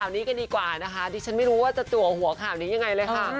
แปลวางหนีกันนีกว่านะคะเดี๋ยวฉันไม่รู้ว่าจะตัวหัวขาบนี้ยังไงเลยค่ะ